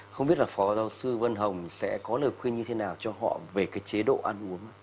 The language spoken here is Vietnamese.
không biết là phó giáo sư vân hồng sẽ có lời khuyên như thế nào cho họ về cái chế độ ăn uống